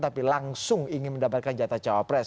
tapi langsung ingin mendapatkan jatah cawapres